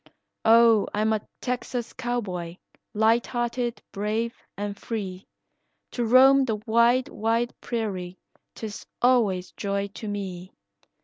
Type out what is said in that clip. "Oh, I am a Texas cowboy, lighthearted, brave, and free, To roam the wide, wide prairie, 'tis always joy to me.